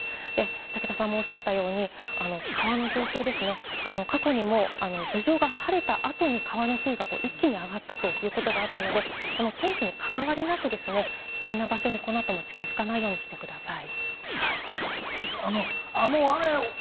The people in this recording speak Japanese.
武田さんもおっしゃったように、川の状況ですね、過去にも頭上が晴れた後に川の水位が一気に下がったということがあったので、天気に関わりなく、危険な場所にこのあと近づかないようにしてください。